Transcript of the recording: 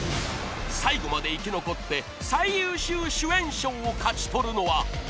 ［最後まで生き残って最優秀主演賞を勝ち取るのは誰だ？］